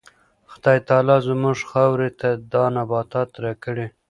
خدای تعالی زموږ خاورې ته دا نبات راکړی.